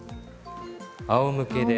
あおむけで。